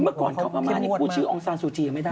เมื่อก่อนเขาประมาณนี้ผู้ชื่ออองซานซูจิก็ไม่ได้